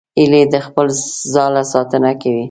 هیلۍ د خپل ځاله ساتنه کوي